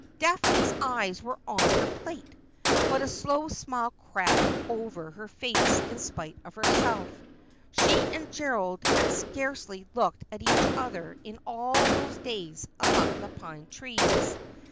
Daphne's eyes were on her plate, but a slow smile crept over her face in spite of herself. She and Gerald had scarcely looked at each other in all those days among the pine trees.